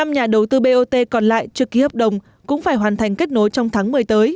năm nhà đầu tư bot còn lại trước khi hợp đồng cũng phải hoàn thành kết nối trong tháng một mươi